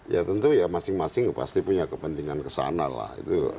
ya tentu ya masing masing pasti punya kepentingan kesana lah